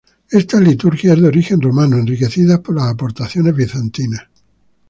Esta liturgia es de origen romano, enriquecida por las aportaciones bizantinas.